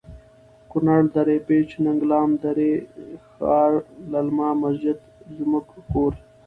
کنړ.دره پیج.ننګلام.دری ښار.للمه.مسجد زموړږ کور